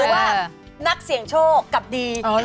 เพราะว่านักเสี่ยงโชคกลับดี